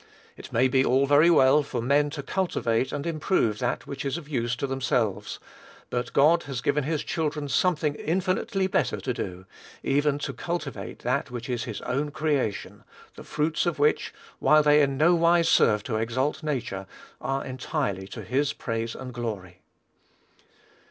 It may be all very well for men to cultivate and improve that which is of use to themselves; but God has given his children something infinitely better to do, even to cultivate that which is his own creation, the fruits of which, while they in no wise serve to exalt nature, are entirely to his praise and glory.